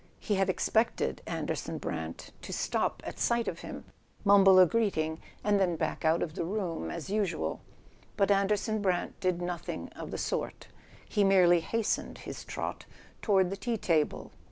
He had ex¬ pected Anderson Brant to stop at sight of him, mumble a greeting, and then back out of the room—as usual. But Anderson Brant did nothing of the sort: he merely hastened his trot toward the tea table.